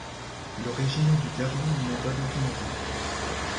L'origine du terme n'est pas documentée.